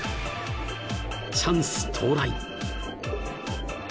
チャンス到来